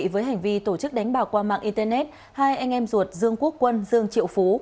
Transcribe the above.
với hành vi tổ chức đánh bào qua mạng internet hai anh em ruột dương quốc quân dương triệu phú